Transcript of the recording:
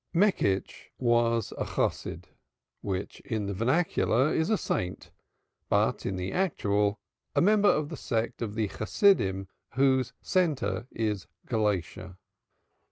Meckisch was a Chasid, which in the vernacular is a saint, but in the actual a member of the sect of the Chasidim whose centre is Galicia.